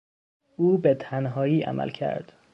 او به تنهایی عمل کرد.